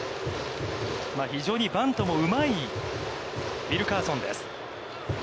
非常にバントもうまいウィルカーソンです。